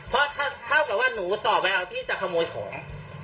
เพราะเท่ากับว่าหนูต่อแววที่จะขโมยของ